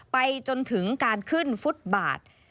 ไปจนถึงการขึ้นฟุตบาท